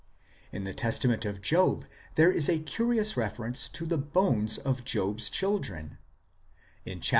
In the Testament of Job 1 there is a curious reference to the bones of Job s children ; in chap.